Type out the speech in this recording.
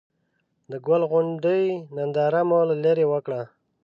د ګل غونډۍ ننداره مو له ليرې وکړه.